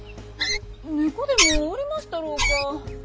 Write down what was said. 猫でもおりましたろうか？